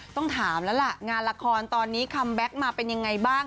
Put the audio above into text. ต้องถามแล้วล่ะงานละครตอนนี้คัมแบ็คมาเป็นยังไงบ้าง